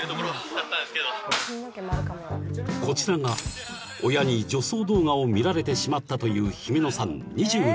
［こちらが親に女装動画を見られてしまったという］